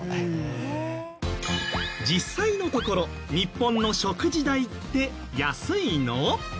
実際のところ日本の食事代って安いの？